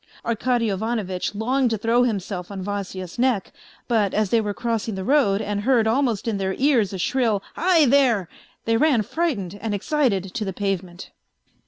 Arkady Ivanovitch longed to throw himself on Vasya's neck. A FAINT HEART 169 but as they were crossing the road and heard almost in their ears a shrill :" Hi ! there I " they ran frightened and excited to the pavement.